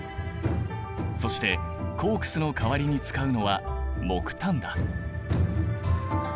そしてコークスの代わりに使うのは木炭だ。